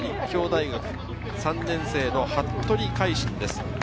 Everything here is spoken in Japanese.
立教大学３年生の服部凱杏です。